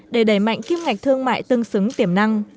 để đẩy mạnh kim ngạch thương mại tương xứng tiềm năng